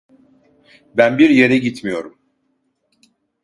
Ben bir yere gitmiyorum.